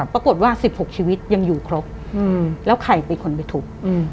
ปรากฏว่า๑๖ชีวิตยังอยู่ครบแล้วใครเป็นคนไปทุบ